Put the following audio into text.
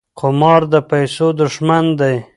قمار د پیسو دښمن دی.